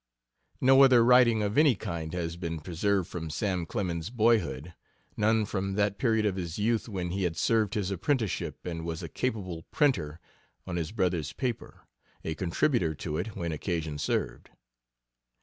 No other writing of any kind has been preserved from Sam Clemens's boyhood, none from that period of his youth when he had served his apprenticeship and was a capable printer on his brother's paper, a contributor to it when occasion served.